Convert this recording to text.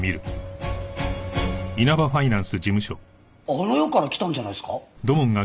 あの世から来たんじゃないっすか？